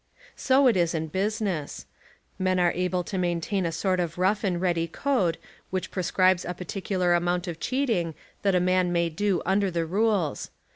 So it is in business. Men are able to main tain a sort of rough and ready code which pre scribes the particular amount of cheating that a man may do under the rules.